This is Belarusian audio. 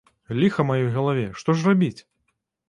Ліха маёй галаве, што ж рабіць?